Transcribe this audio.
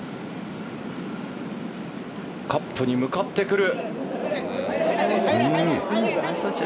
カップに向かってくる。